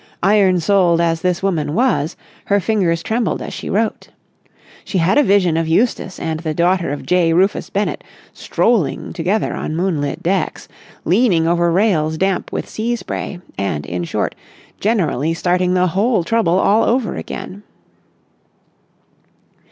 Iron souled as this woman was, her fingers trembled as she wrote. She had a vision of Eustace and the daughter of J. Rufus Bennett strolling together on moonlit decks, leaning over rails damp with sea spray and, in short, generally starting the whole trouble all over again.